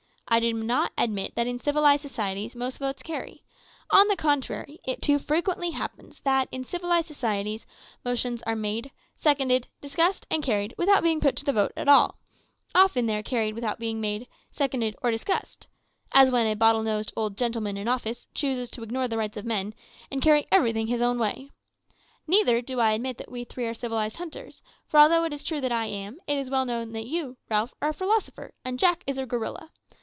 I do not admit that in civilised societies most votes carry; on the contrary, it too frequently happens that, in civilised societies, motions are made, seconded, discussed, and carried without being put to the vote at all; often they are carried without being made, seconded, or discussed as when a bottle nosed old gentleman in office chooses to ignore the rights of men, and carry everything his own way. Neither do I admit that we three are civilised hunters; for although it is true that I am, it is well known that you, Ralph, are a philosopher, and Jack is a gorilla.